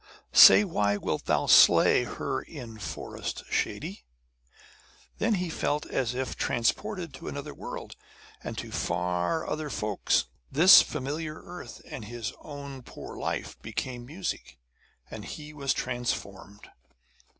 say why wilt thou slay Her in forest shady? then he felt as if transported to another world, and to far other folk. This familiar earth and his own poor life became music, and he was transformed.